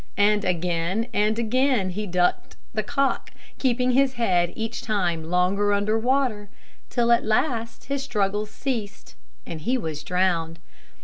And again and again, he ducked the cock, keeping his head each time longer under water, till at last his struggles ceased, and he was drowned.